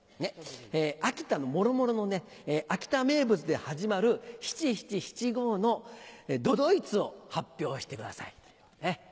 秋田のもろもろの秋田名物で始まる七・七・七・五の都々逸を発表してください。